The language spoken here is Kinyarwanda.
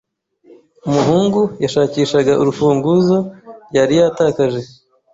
Umuhungu yashakishaga urufunguzo yari yatakaje.